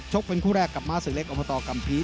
ชกเป็นคู่แรกกับมาซึเล็กโอมโตรกัมพี